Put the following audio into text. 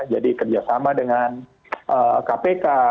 jadi kerjasama dengan kpk